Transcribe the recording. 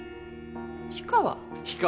氷川？